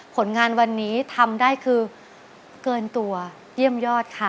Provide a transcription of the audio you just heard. ผลงานวันนี้ทำได้คือเกินตัวเยี่ยมยอดค่ะ